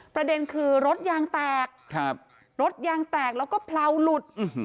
ประเด็นคือรถยางแตกรถยางแตกแล้วก็เผลาหลุด